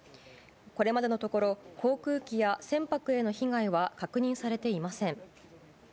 これまでのところ、航空機や船舶への被害は確認されていません。